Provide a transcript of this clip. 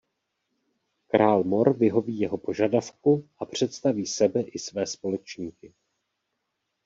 Král Mor vyhoví jeho požadavku a představí sebe i své společníky.